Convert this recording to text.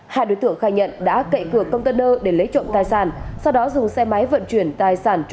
hai đối tượng khai nhận đã cậy cửa container để lấy trộm tài sản sau đó dùng xe máy vận chuyển tài sản